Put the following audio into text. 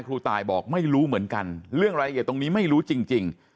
ครูตายบอกไม่รู้เหมือนกันเรื่องรายละเอียดตรงนี้ไม่รู้จริง